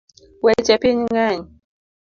Weche piny ng’eny